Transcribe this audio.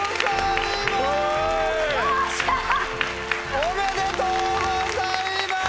おめでとうございます！